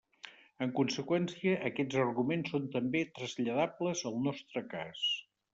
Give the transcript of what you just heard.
En conseqüència, aquests arguments són també traslladables al nostre cas.